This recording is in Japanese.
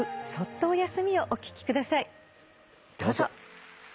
どうぞ。